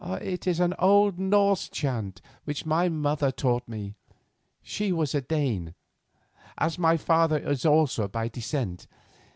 "It is an old Norse chant which my mother taught me; she was a Dane, as my father is also by descent.